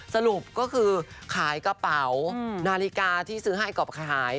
สรุปก็คือขายกระเป๋านาฬิกาที่ซื้อให้กรอบขาย